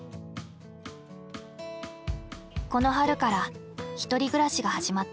この春から１人暮らしが始まった。